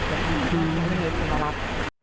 แต่หนูไม่มีคนรับ